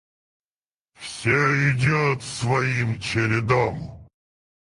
Все идет своим чередом.